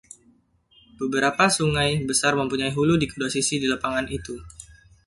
Beberapa sungai besar mempunyai hulu di kedua sisi lapangan itu.